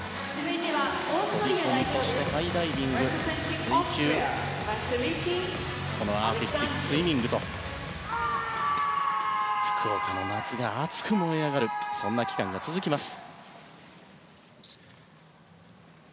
飛込、ハイダイビング水球、そしてこのアーティスティックスイミングと福岡の夏が熱く燃え上がるそんな期間が長く続きます。